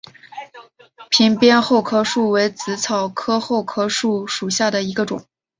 屏边厚壳树为紫草科厚壳树属下的一个种。